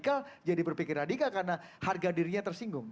mau radikal jadi berpikir radikal karena harga dirinya tersinggung